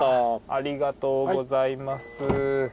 ありがとうございます。